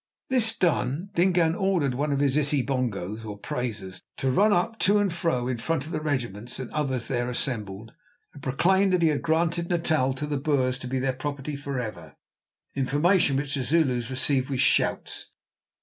This done, Dingaan ordered one of his isibongos, or praisers, to run to and fro in front of the regiments and others there assembled, and proclaim that he had granted Natal to the Boers to be their property for ever, information which the Zulus received with shouts.